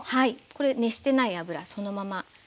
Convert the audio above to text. これ熱してない油そのまま。